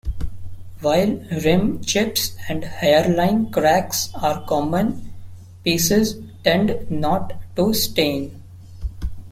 While rim chips and hairline cracks are common, pieces tend not to stain.